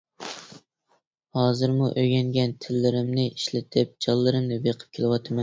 ھازىرمۇ ئۆگەنگەن تىللىرىمنى ئىشلىتىپ جانلىرىمنى بېقىپ كېلىۋاتىمەن.